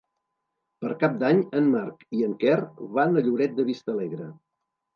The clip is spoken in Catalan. Per Cap d'Any en Marc i en Quer van a Lloret de Vistalegre.